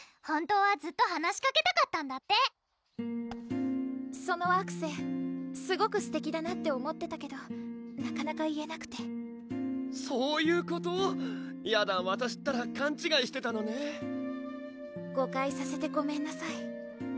本当はずっと話しかけたかったんだってそのアクセすごくすてきだなって思ってたけどなかなか言えなくてそういうこと⁉やだわたしったらかんちがいしてたのね誤解させてごめんなさい